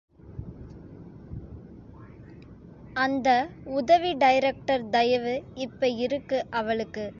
அந்த உதவி டைரக்டர் தயவு இப்ப இருக்கு அவளுக்கு.